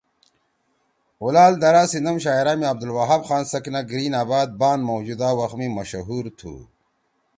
اُولال درہ سی نم شاعرا می عبدالوہاب خان سکنہ گرین آباد بان موجودہ وخ می مشہور تُھو!